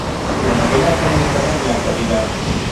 La novela está ambientada en la actualidad.